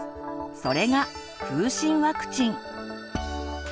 それが「風疹ワクチン」。